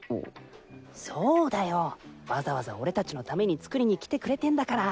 そうだよわざわざ俺達のために作りに来てくれてんだから。